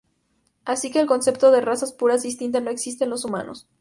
Así que el concepto de razas puras distintas no existe en los humanos.